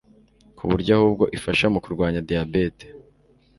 ku buryo ahubwo ifasha mu kurwanya diyabete